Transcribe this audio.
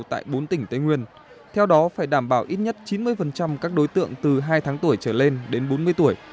tại bốn tỉnh tây nguyên theo đó phải đảm bảo ít nhất chín mươi các đối tượng từ hai tháng tuổi trở lên đến bốn mươi tuổi